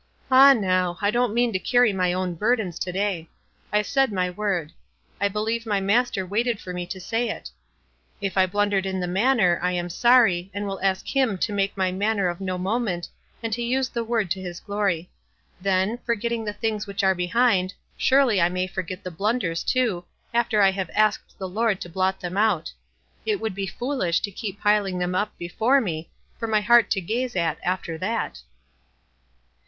Ah, now, I don't mean to carry my own burdens to day. I said my word. I believe my Master wailed for me to say it. If WISE AND OTHERWISE. 18S I blundered in the manner, I am sorry, and will ask Iliin to make my manner of no moment and to use the word to his glory ; then, 'forgetting the things which are behind,' surely I may for get the blunders, too, after I have asked the Lord to blot them out. It would be foolish to keep piling them up before me, for my heart to gaze at, after that."